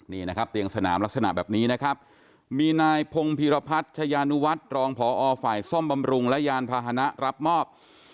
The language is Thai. นี่นะครับเตียงสนามลักษณะแบบนี้นะครับมีนายพงพิรพัฒน์ชายานุวัฒน์รองพอฝ่ายซ่อมบำรุงและยานพาหนะรับมอบ